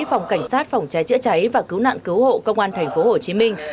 phòng cảnh sát phòng cháy chữa cháy và cứu nạn cứu hộ công an tp hcm